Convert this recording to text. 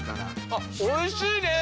あっおいしいね。